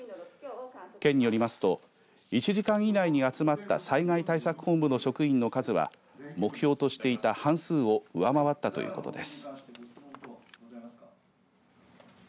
県によりますと１時間以内に集まった災害対策本部の職員の数は目標としていた半数を上回ったということです。